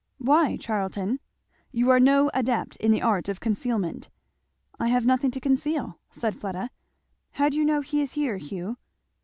"Why, Charlton?" "You are no adept in the art of concealment." "I have nothing to conceal," said Fleda. "How do you know he is here, Hugh?"